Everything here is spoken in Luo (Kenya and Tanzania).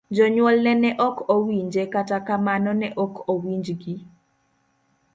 Jonyuolne ne ok owinje, kata kamano ne ok owinjgi.